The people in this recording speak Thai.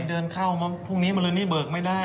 เดินเข้ามาพรุ่งนี้บริเวณนี้เบิกไม่ได้